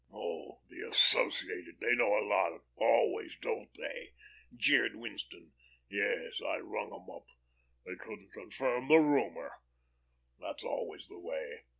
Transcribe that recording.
"Oh, the 'Associated.' They know a lot always, don't they?" jeered Winston. "Yes, I rung 'em up. They 'couldn't confirm the rumour.' That's always the way.